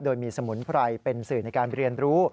โดยมีสมุนไพรเป็นสื่อในการเรียนรู้